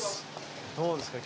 どうですか？